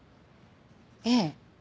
ええ。